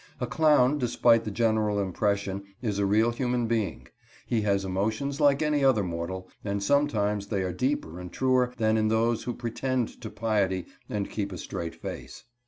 A clown, despite the general impression, is a real human being. He has emotions like any other mortal, and sometimes they are deeper and truer than in those who pretend to piety and keep a straight face.